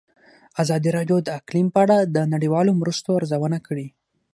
ازادي راډیو د اقلیم په اړه د نړیوالو مرستو ارزونه کړې.